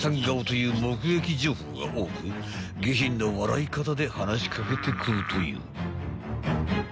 顔という目撃情報が多く下品な笑い方で話し掛けてくるという］